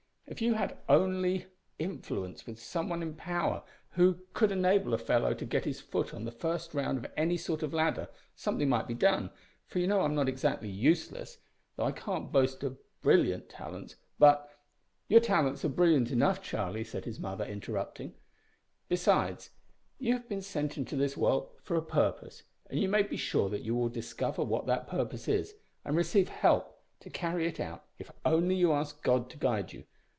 If you had only influence with some one in power who could enable a fellow to get his foot on the first round of any sort of ladder, something might be done, for you know I'm not exactly useless, though I can't boast of brilliant talents, but " "Your talents are brilliant enough, Charlie," said his mother, interrupting; "besides, you have been sent into this world for a purpose, and you may be sure that you will discover what that purpose is, and receive help to carry it out if you only ask God to guide you.